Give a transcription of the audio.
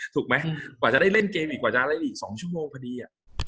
ถูกไหมกว่าจะได้เล่นเกมอีกกว่าจะได้อีก๒ชั่วโมงพอดี